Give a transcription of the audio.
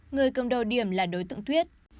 người cầm đầu điểm là đối tượng tuyết